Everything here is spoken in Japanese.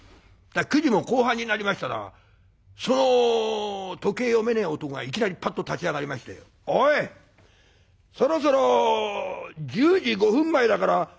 ９時も後半になりましたらその時計読めねえ男がいきなりパッと立ち上がりまして「おいそろそろ１０時５分前だからお開きにしねえか？」。